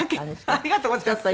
ありがとうございます説明。